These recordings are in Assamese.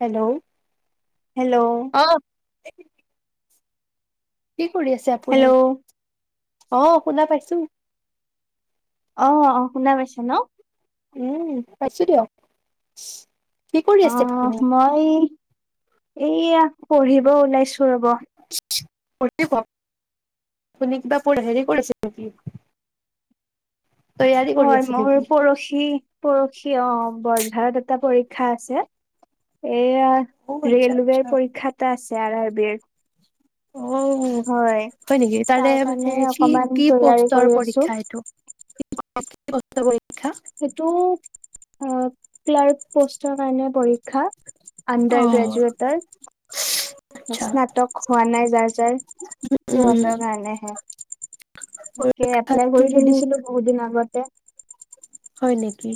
হেল্ল' হেল্ল' অ [unintelligible] কি কৰি আছে হেল্ল' আপুনি? অ শুনা পাইছো। অ অ শুনা পাইছা ন, উম, পাইছো দিয়ক কি কৰি আছে অহ আপুনি মই এইয়া পঢ়িব ওলাইছো ৰ'ব, [unintelligible] আপুনি কিবা পঢ হেৰি কৰিছে নেকি তৈয়াৰী কৰি হয় আছে মোৰ নেকি পৰশি, পৰশি অ বৰঝাৰত এটা পৰি খক্ষা আছে। এয়া অ আচ্ছা আচ্ছা ৰেলৱেৰ পৰীক্ষা এটা আছে আৰ আৰ বিৰ। অ হয় নেকি তাৰে তাৰ কাৰণে মানে কি অকমান কি তৈয়াৰী পষ্টৰ কৰি আছো পৰীক্ষা এইটো? [unintelligible] সেইটো আহ ক্লাৰ্ক পোষ্টৰ কাৰণে পৰীক্ষা। অ আণ্ডাৰ গ্ৰেজুয়েটৰ। আচ্ছা স্নাতক হোৱা নাই যাৰ যাৰ উম উম সিহঁতৰ কাৰণেহে। তাকে এপ্লাই পৰীক্ষাটো কৰি থৈ দিছিলো বহুত দিন আগতে। হয় নেকি?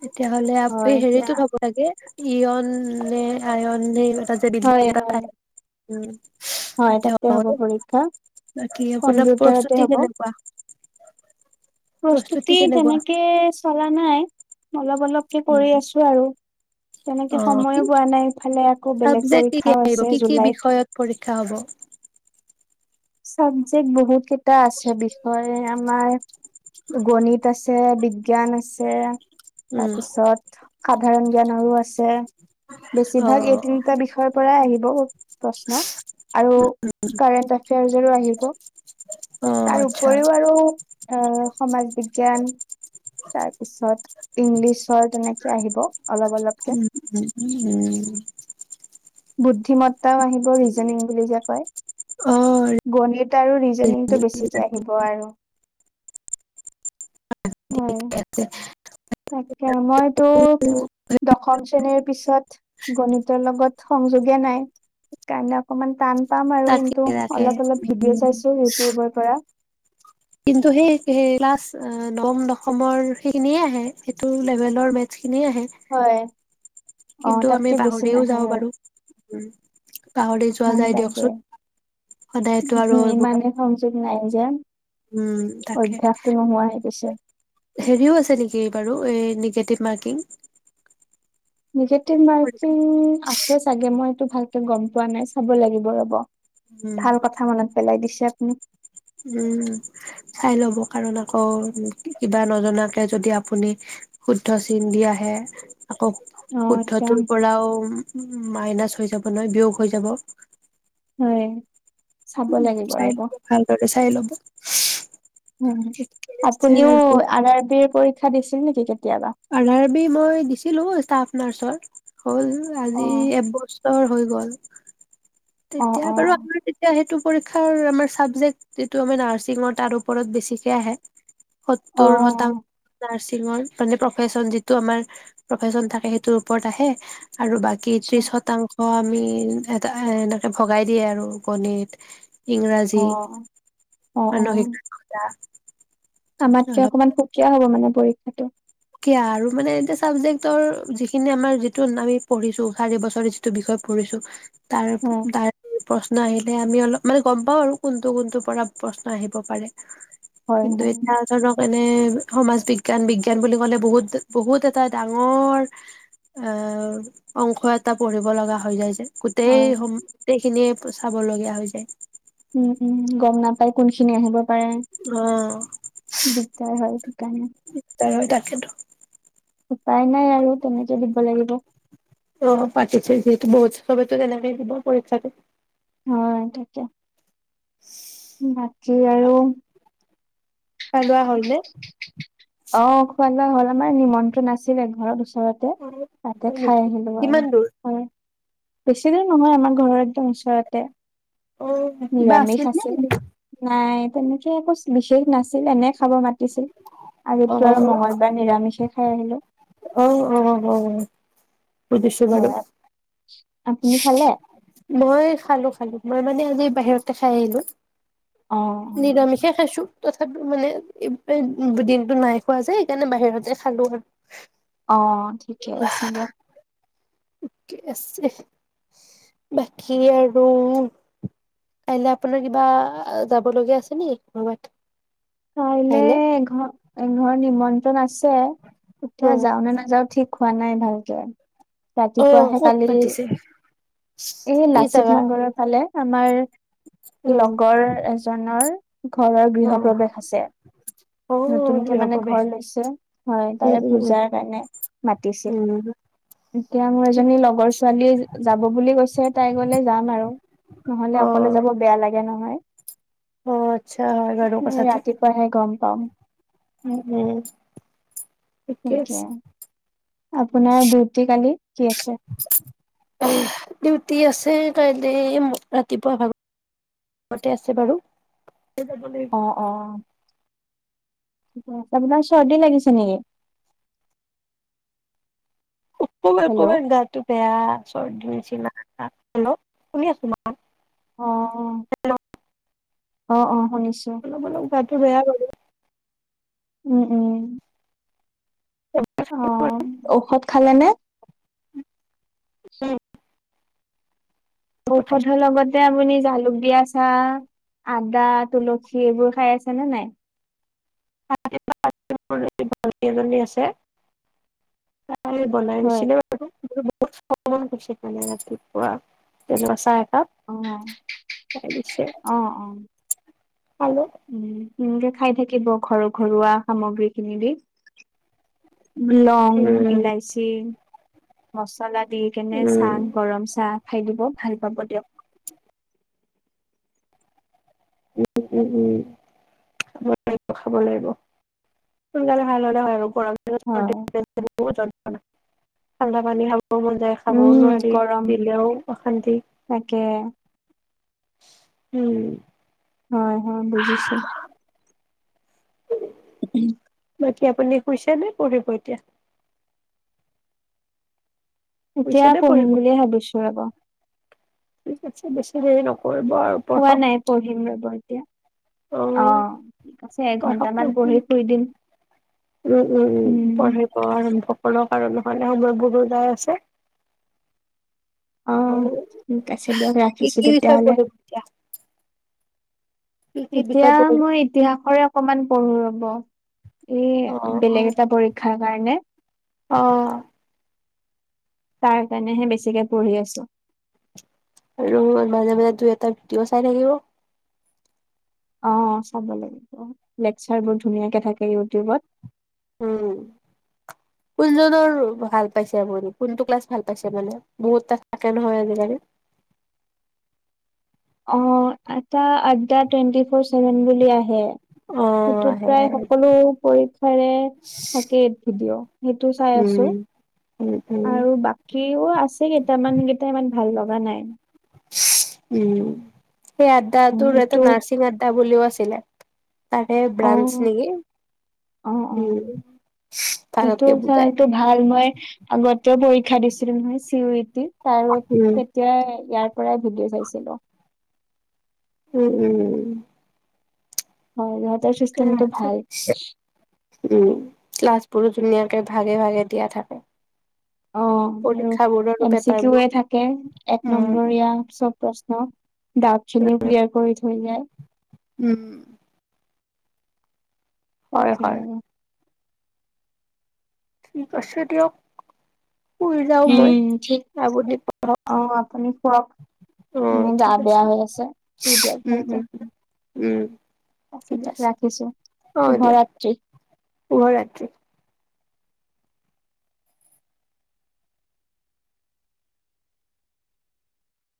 তেতিয়াহ'লে আপি হয় এতিয়া হেৰিতোত হ'ব লাগে ইয়ন নে, আয়ন নে ত যে বিল্ডিং হয় এটা হয় [unintelligible] উম হয় তাতে হব পৰীক্ষা, বাকী আপোনাৰ কম্পিউটাৰতে প্ৰস্তুতি হব। কেনেকুৱা প্ৰস্তুতি তেনেকে চলা নাই, অলপ অলপকে কৰি আছো আৰু, তেনেকে অ' কি সময়ো পোৱা নাই ইফালে আকৌ বেলেগ পৰীক্ষাও আছে জুলাইত। ক্ষা হব চাবজেক্ট বহুত কেইটা আছে বিষয় আমাৰ গণিত আছে, বিজ্ঞান আছে উম, তাৰপিছত, খা সাধৰণ জ্ঞানৰো আছে। বেছিভাগ এই অ' তিনটা বিষয়ৰ পৰাই আহিব। প্ৰশ্ন আৰু কাৰেণ্ট জাৰো আহিব। অ' তাৰ আচ্ছা উপৰিও আৰু, অ সমাজ বিদ জ্ঞান তাৰপিছত ইংলিছৰ তেনে কি আহিব? অলপ অলপকে উম উম উম উম বুদ্ধি বিমত্তাও আহিব, ৰিজনিং বুলি যে কয়। অ' গণিত আৰু ৰিজনিংটো বেছিকে আহিব আৰু। হয় তাকে, মইতো দশম শ্ৰেণীৰ পিছত গণিতৰ লগত সংযোগে নাই, সেইকাৰণে অকমান টান। পাম আৰু তাকে কিন্তু, তাকে অলপ অলপ ভিডিঅ' চাইছো ইউটিউবৰ পৰা। কিন্তু সেই সেই ক্লাচ নৱম দশমৰ সেইখিনিয়ে আহে সিতো লেবেলৰ মে খিনিয়ে আহে হয় অ কিন্তু আমি তাতকে বেছি পাহৰিও নাহে যাওঁ আৰু বাৰো। উম পাহৰি যোৱা হয় যায় তাকে দিয়কচোন, সদায়তো আৰু এইবোৰ ইমানে সংযোগ [unintelligible] উম তাকে, অভ্যাসটো নোহোৱা হৈ গৈছে হেৰিও আছে নেকি বাৰু হেৰি নিগেটিভ মাৰ্কিং নিগেটিভ মাৰ্কিং আছে চাগে, মই এইটো ভাল গম পোৱা নাই, চাব লাগিব ৰ'ব। উম, ভাল কথা মনত পেলাই দিছে উম। উম চাই লব কাৰণ আকৌ, ‌ কিবা নজনাকে যদি আপুনি শুদ্ধ চিন দি আহে আকৌ অ', এতিয়া শুদ্ধটোৰ পৰাও উ মাইনাছ হৈ যাব নহয় বিয়োগ হৈ যাব হয়। চাব উম, লাগিব চাই ৰব ল'ব ভালদৰে চাই ল'ব ঠিকে আছে আপুনিও আৰু আৰ আৰ বি পৰিক্ষাৰ দেখা দিছিল নেকি, ‌ কেতিয়াবা? আধাৰ বি মই দিছিলো ষ্টাফ নাৰ্চৰ। ‌ হ'ল আজি অ', এবছৰ হৈ গ'ল। অ', তেতিয়া বাৰু অ', আমাৰ তেতিয়া সেইটো পৰীক্ষাৰ আমাৰ চাবজেক্ট যিটো আমাৰ নাৰ্ছিঙৰ তাৰ ওপৰত বেছিকে আহে। সত্তৰ শতাংশ, অ', নাৰ্ছ। [unintelligible] তাৰ পিছত যিটো আমাৰ‌‌ প্ৰফেচন থাকে আৰু বাকী আচ্ছা ত্ৰিশ শতাংশ অঁ আমি এটা এ এনেকে ভগাই দিয়ে আৰু, গণিত অ', ইংৰাজী, অ', অ', মানসিকতা আমাতকে অকনমান সুকীয়া হ'ব মানে পৰীক্ষাটো। এতিয়া আৰু মানে এয়া চাবজেক্টৰ যিখিনি আমাৰ যিটো আমি পঢ়িছো চাৰি বছৰ, যিটো বিষয় পঢ়িছো তাৰ, হয়, ‌‌ তাৰ, প্ৰশ্ন আহিল। আমি অলপ মানে গম পাওঁ আৰু কোনটো কোনটো পৰা প্ৰশ্ন আহিব পাৰে। হয়, কিন্তু হয়, এতিয়া। সমাজ বিজ্ঞান, বিজ্ঞান বুলি গলে বহুত বহুত এটা ডাঙৰ এ অংশ এটা পঢ়িব লগা হৈ যাই যে গোটেই হয়, হ'ম, গোটেইখিনিয়ে চাব লগীয়া হৈ যায়। উম উম গম নাপাই, কোনখিনি আহিব অ দিগদাৰ হয় সেইকাৰণে। ‌ সেইটো উপায় নাই আৰু তেনেকে দিব লাগিব। অ, পাতিছে যিহেতু বহুত ছবেটো তেনেকেই দিব পৰীক্ষাতে। হয় থাকে। নাতি আৰু। পেলোৱা হল নে। অঁ, খোৱা লোৱা হ'ল আমাৰ নিমন্ত্ৰণ আছিলে ঘৰৰ উছ ওচৰতে অ তে তাতে হয় খাই নেকি আহিলো আৰু কিমান দূৰ হয়। বেছি দূৰ নহয় আমাৰ ঘৰৰ একদম ওচৰতে। অ কিবা নিৰামিষ নে আছিল, এনে? নাই? তেনেকে একো বিশেষ নাছিল, এনে খাব মাতিছিল। আৰু অ এইটো আৰু মঙগলবাৰ নিৰামিষে হা হেল্ল' আহ, অ, অ বুজিছোঁ বাৰো ঘৰত আপুনি খালে। মই খালো খালো মই মানে আজি বাহিৰতে খাই আহিলো। অ নিৰামিষে খাইছোঁ। তথাপি মানে দিনটো নাই খোৱা যে সেইকাৰণে বাহিৰতে খালো আৰু। অ ঠিকে আছে দিয়ক। আছে বাকী আৰু কাইলে আপোনাৰ কিবা যাব লগীয়া আছে নে কৰবাত। কাইলে এ ঘ এ ঘৰ নিমন্ত্ৰণ আছে। ছে এতিয়া অ', যাও নে নাযাও ঠিক খোৱা নাই ভালকে অ', ৰাতিপুৱাহে ক'ত কালি মাতিছে? এই কি লাচিত জাগা? নগৰৰ ফালে। আমাৰ উম, লগৰ এজনৰ ঘৰৰ গৃহ অ', প্ৰবেশ। আছে নতুনকে অ', হ'ব মানে দে। ঘৰ লৈছে হয় উম, তাৰে উম, উম, পূজাৰ কাৰণে মাতিছিল উম। এতিয়া মোৰ এজনী ঠিকে। লগৰ ছোৱালীয়ে যাব বুলি কৈছে তাই গলে যাম আৰু নহলে অকলে অ', যাব বেয়া লাগে নহয়। অ আচ্ছা হয় বাৰো এ কথাটো ৰাতিপুৱাহে গম পাম। উম উম ঠিকে তাকে, আছে। আপোনাৰ ডিউটি কালি কি আছে ডিউটি আছে কাইলৈ ৰাতিপুৱা ভাগতে আছে বাৰু। যাব লাগিব। অ অ অ আপোনাৰ চৰ্দি লাগিছে নেকি। অকনমান হেল্ল' অকনমান গাটো বেয়া চৰ্ডি হৈছে। হেল্ল' শুনি আছো অ অ অ অ শুনিছো অলপ অলপ গাটো বেয়া বাৰু। উম উম অ ঔষধ খালে নে? উম। ঔষধৰ লগতে আপুনি জালুক। দিয়া চাহ আদা তুলসী এইবোৰ খাই আছে নে নাই। [unintelligible] ভণ্টি এজনী আছে। তাই বনাই হয়। দিছিলে বাৰু। [unintelligible] গছে মানে ৰাতিপুৱা তেনেকুৱা চাহ। একাপ অহ খাই দিছে অহ অ। খালো উম এনেকে খাই থাকিব ঘৰ ঘৰুৱা সামগ্ৰী খিনি দি। লং উম ইলাইচি। মছলা। দি কেনে উম চাহ গৰম চাহ। খাই দিব ভাল পাব দিয়ক। উ উ উ খাব লাগিব খাব লাগিব সোনকালে ভাল হ'লে হয় আৰু। হয়। [unintelligible] আলামানি [unintelligible] খাব মন যায় খাবঁও উম নোৱাৰি গৰম দিলেও অশান্তি। তাকে উম। হয় হয় বুজিছোঁ বাকী আপুনি শুইছে নে পঢ়িব এতিয়া। শুইছে এতিয়া নে পঢ়িব পঢ়িম বুলিয়ে ভাবিছোঁ ৰ'ব। ঠিক আছে বেছি দেৰি নকৰিব। আৰু খোৱা পঢ়ক নাই পঢ়িম ৰ'ব এতিয়া অ ঠিক আছে এঘন্টামান পঢ়ি পঢ়ক শুই দিম। উম উম উম পঢ়িব আৰম্ভ কৰক। [unintelligible] অ ঠিক আছে দিয়ক কি ৰাখিছোঁ কি তেতিয়া বিষয় হ'লে। পঢ়িব এতিয়া, কি কি এতিয়া বিষয় পঢ়িব? মই ইতিহাসৰে। অকমান পঢ়ো ৰ'ব। এ অ', বেলেগ অ', এটা পৰীক্ষাৰ কাৰণে। অ', তাৰ কাৰণেহে বেছিকে পঢ়ি আছোঁ। আৰু মাজে মাজে দুই এটা ভিডিঅ' চাই থাকিব। অ চাব লাগিব অ লেকচাৰ বুৰ ধুনীয়াকে থাকে। ইউটুবত উম কোনজনৰ ভাল পাইছে আপুনি কোনটো ক্লাছ ভাল পাইছে মানে বহুত ক্লাছ থাকে নহয় আজিকালি অ আটা আড্ডা টুৱেণ্টি ফৰ চেভেন বুলি আহে অ', সেইটোত আহে প্ৰায় আহে সকলো পৰীক্ষাৰে থাকেই ভিডিঅ' সেইটো চাই আছোঁ উম, উম, উম, আৰু বা ভাল লগা নাই উম সেই আড্ডা উম তোৰ এটা এইটো নাৰ্ছিং আড্ডা বুলি কয় আছিলে তাৰে অ, ব্ৰাঞ্চ নেকি? অ অ উম, এইটো ভালকে চাও বুজাই, এইটো ভাল মই আগতেও পৰী ক্ষা দিছিলোঁ নহয় চিয়োৰিটিৰ তাৰো উম, তেতিয়া ইয়াৰ পৰাই ভিদিঅ চাইছিলো উম উম উম হয় চিষ্টেমটো ভাল উম লাষ্ট বহুত ধুনীয়াকে ভাগে ভাগে দিয়া থাকে অ আৰু পৰীক্ষা বোৰৰো এম চি কিউৱে পেপাৰবোৰ থাকে এক উম, নম্বৰীয়া চব প্ৰশ্ন দাউত খিনিও ক্লিয়াৰ কৰি থৈ যায় উম হয়, তাকে হয়, ঠিক আছে দিয়ক শুই যাওঁ মই উম ঠিক আপুনি অ আপুনি শুৱক অ', এনে গা ঠিক বেয়া হৈ আছে শুই দিয়ক উম, ভালছে উম। উম আ ঠিক আছে ৰাখিছো অ', শুভ দিয়ক ৰাত্ৰি। শুভৰাত্ৰি।